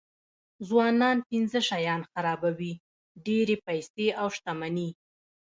ځوانان پنځه شیان خرابوي ډېرې پیسې او شتمني.